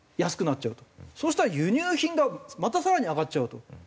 そしたら輸入品がまた更に上がっちゃうと。